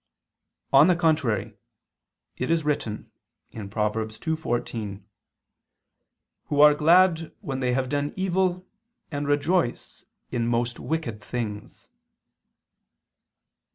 On the contrary, It is written (Prov. 2:14): "Who are glad when they have done evil, and rejoice in most wicked things."